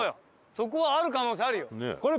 そこはある可能性あるよ。